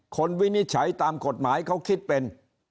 วินิจฉัยตามกฎหมายเขาคิดเป็น